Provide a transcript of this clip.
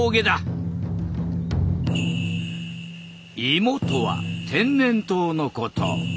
「いも」とは天然痘のこと。